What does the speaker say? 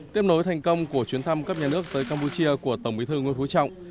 tiếp nối thành công của chuyến thăm cấp nhà nước tới campuchia của tổng bí thư nguyễn phú trọng